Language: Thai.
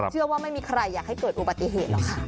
เชื่อว่าไม่มีใครอยากให้เกิดอุบัติเหตุหรอกค่ะ